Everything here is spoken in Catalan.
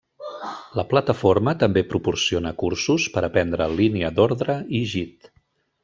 La plataforma també proporciona cursos per aprendre línia d'ordre i Git.